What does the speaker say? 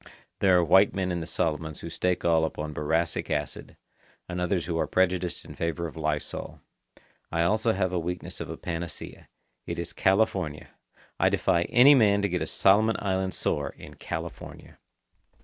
There are white men in the Solomons who stake all upon boracic acid, and others who are prejudiced in favour of lysol. I also have the weakness of a panacea. It is California. I defy any man to get a Solomon Island sore in California.